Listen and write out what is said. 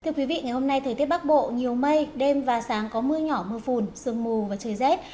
thưa quý vị ngày hôm nay thời tiết bắc bộ nhiều mây đêm và sáng có mưa nhỏ mưa phùn sương mù và trời rét